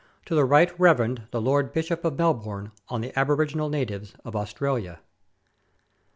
TO THE RIGHT REVEREND THE LORD BISHOP OF MELBOURNE, ON THE ABORIGINAL NATIVES OF AUSTRALIA.